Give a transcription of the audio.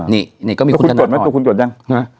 นี่ก็มีคุณธนาธรก่อนนะฮะคุณกดยัง